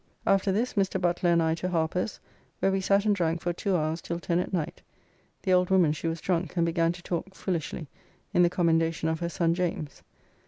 After this Mr. Butler and I to Harper's, where we sat and drank for two hours till ten at night; the old woman she was drunk and began to talk foolishly in commendation of her son James.